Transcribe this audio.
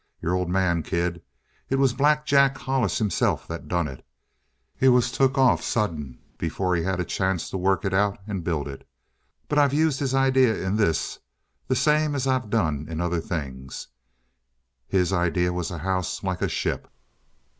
Your old man, kid. It was Black Jack Hollis himself that done it! He was took off sudden before he'd had a chance to work it out and build it. But I used his ideas in this the same's I've done in other things. His idea was a house like a ship.